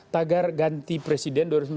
tagar ganti presiden